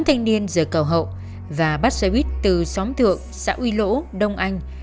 tám thanh niên rời cầu hậu và bắt xoay buýt từ xóm thượng xã uy lỗ đông anh